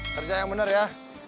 kerja yang bener ya